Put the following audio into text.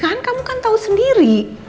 kan kamu kan tahu sendiri